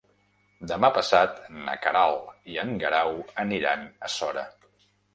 Demà passat na Queralt i en Guerau aniran a Sora.